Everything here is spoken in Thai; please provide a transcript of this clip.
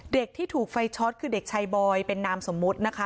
เด็กที่ถูกไฟช็อตคือเด็กชายบอยเป็นนามสมมุตินะคะ